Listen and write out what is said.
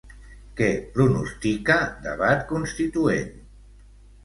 Què pronostica Debat Constituent?